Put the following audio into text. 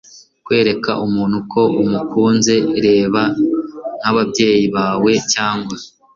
kwereka umuntu ko umukunze. reba nk'ababyeyi bawe cyangwa